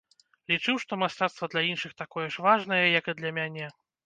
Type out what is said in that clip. Лічыў, што мастацтва для іншых такое ж важнае, як і для мяне.